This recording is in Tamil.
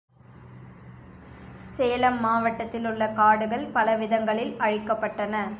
சேலம் மாவட்டத்திலுள்ள காடுகள் பலவிதங்களில் அழிக்கப்பட்டன.